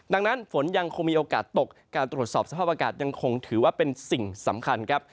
ดังนั้นฝนยังคงมีโอกาสตกการตรวจสอบสภาพอากาศยังคงถือว่าเป็นสิ่งสำคัญครับ